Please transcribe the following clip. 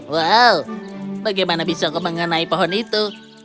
wow bagaimana bisa kau mengenai pohon itu